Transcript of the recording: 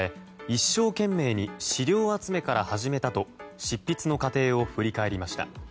一生懸命に資料集めから始めたと執筆の過程を振り返りました。